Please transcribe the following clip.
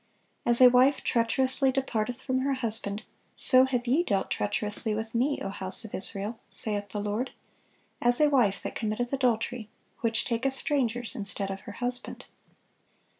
"As a wife treacherously departeth from her husband, so have ye dealt treacherously with Me, O house of Israel, saith the Lord;" "as a wife that committeth adultery, which taketh strangers instead of her husband."